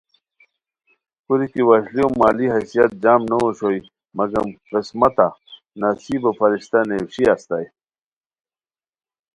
کوریکی وشلیو مالی حیثیت جم نو اوشوئے مگم قسمتہ نصیبو فرشتہ نیویشی استائے